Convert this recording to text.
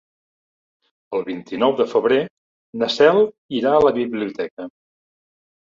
El vint-i-nou de febrer na Cel irà a la biblioteca.